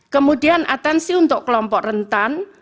kemudian atensi untuk kelompok rentan